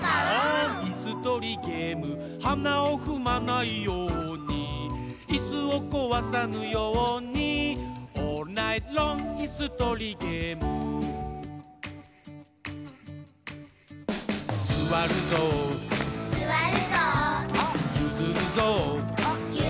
いすとりゲーム」「はなをふまないように」「いすをこわさぬように」「オールナイトロングいすとりゲーム」「すわるぞう」「ゆずるぞう」